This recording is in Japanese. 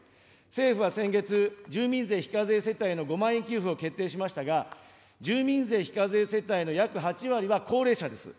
政府は先月、住民税非課税世帯への５万円給付を決定しましたが、住民税非課税世帯の約８割は高齢者です。